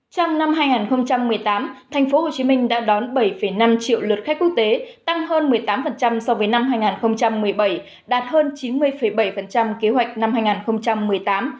trong năm hai nghìn một mươi tám tp hcm đã đón bảy năm triệu lượt khách quốc tế tăng hơn một mươi tám so với năm hai nghìn một mươi bảy đạt hơn chín mươi bảy kế hoạch năm hai nghìn một mươi tám